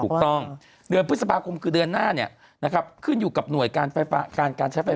เดือนพฤษภาคมคือเดือนหน้าเนี่ยนะครับขึ้นอยู่กับหน่วยการการใช้ไฟ